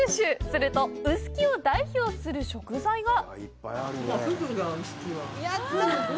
すると、臼杵を代表する食材が。